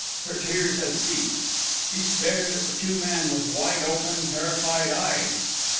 Her tears had ceased. She stared at the two men with wide open, terrified eyes.